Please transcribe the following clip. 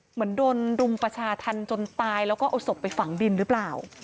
เหมือนโดนรุมประชาธรรมจนตายแล้วก็เอาศพไปฝังดินหรือเปล่า